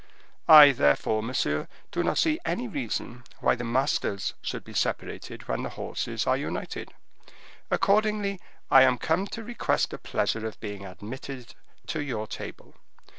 I therefore, monsieur, do not see any reason why the masters should be separated when the horses are united. Accordingly, I am come to request the pleasure of being admitted to your table.